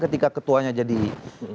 ketika ketua dpr ini sudah lama